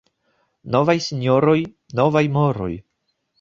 Novaj sinjoroj, — novaj moroj.